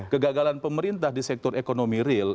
kegagalan pemerintah di sektor ekonomi real